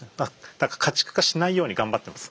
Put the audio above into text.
だから家畜化しないように頑張ってます。